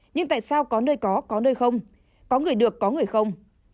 nhưng tại sao có nơi có có nơi không có người được có người không